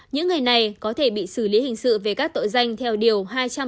những người này có thể bị xử lý hình sự về các tội danh theo điều hai trăm bảy mươi bốn hai trăm bảy mươi năm